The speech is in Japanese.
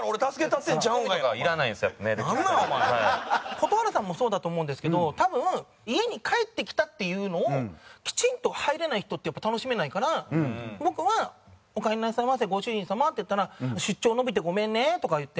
蛍原さんもそうだと思うんですけど多分家に帰ってきたっていうのをきちんと入れない人ってやっぱ楽しめないから僕はおかえりなさいませご主人様って言ったら出張延びてごめんねとか言って。